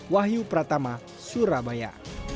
wahyu pratama surabaya